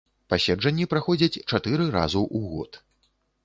Паседжанні праходзяць чатыры разу ў год.